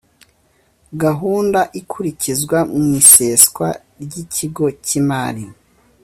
Gahunda ikurikizwa mu iseswa ry ikigo cy imari